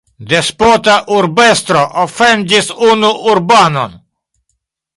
Despota urbestro ofendis unu urbanon.